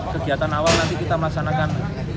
kegiatan awal nanti kita melaksanakan